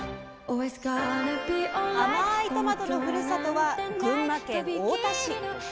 甘いトマトのふるさとは群馬県太田市。